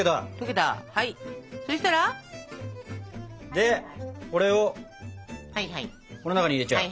でこれをこの中に入れちゃう。